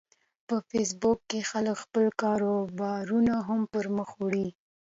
په فېسبوک کې خلک خپل کاروبارونه هم پرمخ وړي